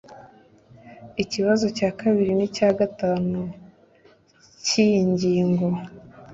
ikibazo cya kabiri n icya gatatu cy iyi ngingo